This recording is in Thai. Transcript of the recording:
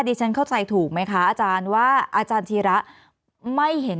ฉันเข้าใจถูกไหมคะอาจารย์ว่าอาจารย์ธีระไม่เห็น